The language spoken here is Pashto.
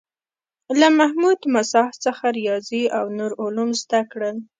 له محمود مساح څخه ریاضي او نور علوم زده کړل.